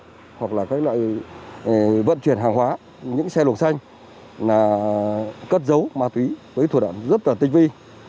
trước những diễn biến phức tạp các đối tượng thường lợi dụng các loại xe tải hoặc là các loại vận chuyển hàng hóa những xe lục xanh là cất dấu ma túy với thuật ẩn rất tình vi